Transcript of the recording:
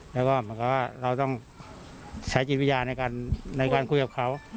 แล้วก็เหมือนกับว่าเราต้องใช้จิตวิญญาณในการคุยกับเขา